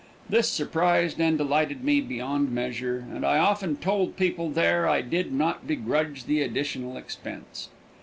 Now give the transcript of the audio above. This surprised and delighted me beyond measure, and I often told people there that I did not begrudge the additional expense.